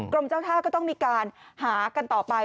กรมเจ้าท่าก็ต้องมีการหากันต่อไป